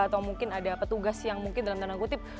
atau mungkin ada petugas yang mungkin dalam tanda kutip